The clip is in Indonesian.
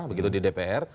begitu di dpr